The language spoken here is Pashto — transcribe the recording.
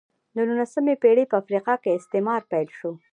د نولسمې پېړۍ په افریقا کې استعمار پیل شو.